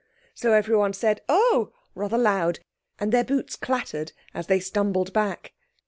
So everyone said, "Oh!" rather loud, and their boots clattered as they stumbled back.